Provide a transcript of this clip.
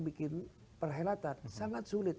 bikin perhelatan sangat sulit